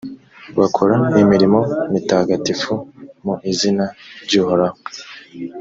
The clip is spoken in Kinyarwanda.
bakora imirimo mitagatifu mu izina ry’uhoraho.